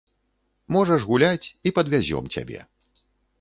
Можаш гуляць, і падвязём цябе.